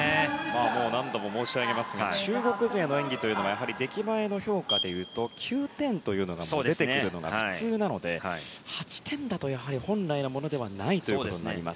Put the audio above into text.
何度も申し上げますが中国勢の演技はやはり出来栄えの評価でいうと９点というのが出てくるのが普通なので８点だとやはり本来のものではないということになります。